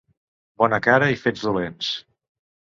Bona cara i fets dolents.